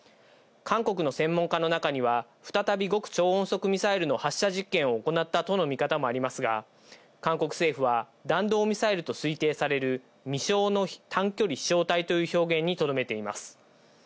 韓国の専門家の中には、再び極超音速ミサイルの発射実験を行ったとの見方もありますが、韓国政府は弾道ミサイルと推定される未詳の短距離飛しょう体という表現にとどめています。